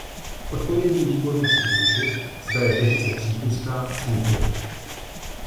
Odpovědný výbor musí určit, zda je petice přípustná či nikoliv.